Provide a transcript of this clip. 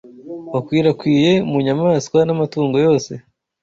wakwirakwiye mu nyamaswa n’amatungo yose